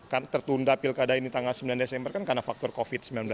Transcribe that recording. kan tertunda pilkada ini tanggal sembilan desember kan karena faktor covid sembilan belas